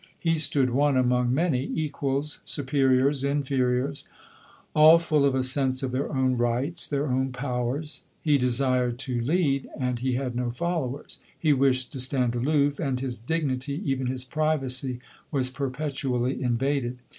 He stood one among many — equals, superiors, inferiors, all full of a sense of their own rights, their own powers; lie desired to lead, and he had no followers ; he wished to stand aloof, and his dignity, even his privacy, was perpetually invaded.